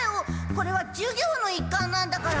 これは授業の一環なんだから。